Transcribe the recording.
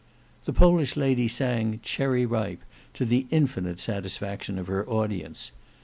The Polish lady sang "Cherry Ripe" to the infinite satisfaction of her audience.